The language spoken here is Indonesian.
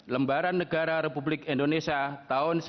lembaran negara republik indonesia melihat hal ini